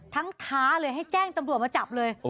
ท้าเลยให้แจ้งตำรวจมาจับเลย